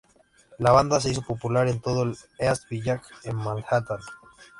La banda se hizo popular en todo el East Village en Manhattan.